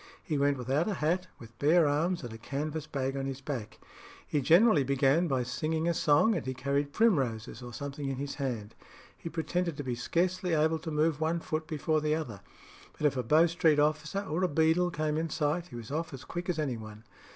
He went without a hat, with bare arms, and a canvas bag on his back. He generally began by singing a song, and he carried primroses or something in his hand. He pretended to be scarcely able to move one foot before the other; but if a Bow Street officer or a beadle came in sight, he was off as quick as any one.